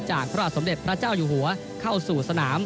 พระบาทสมเด็จพระเจ้าอยู่หัวเข้าสู่สนาม